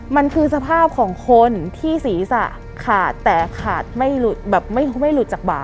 มันคือสภาพของคนที่ศีรษะขาดแต่ขาดไม่หลุดจากบาง